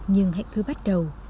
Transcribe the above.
nhưng hãy cứ bắt đầu